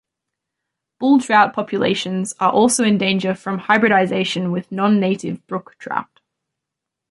Bull trout populations are also in danger from hybridization with non-native brook trout.